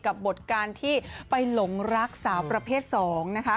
บทการที่ไปหลงรักสาวประเภท๒นะคะ